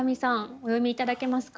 お読み頂けますか？